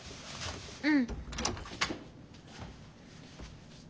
うん。